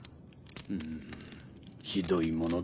うんひどいものだ。